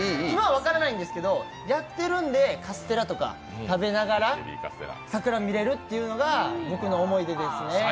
今は分からないんですけどやってるんで、カステラとか食べながら桜見れるっていうのが僕の思い出ですね。